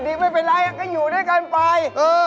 ไม่เป็นไรก็อยู่ด้วยกันไป